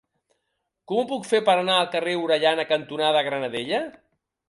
Com ho puc fer per anar al carrer Orellana cantonada Granadella?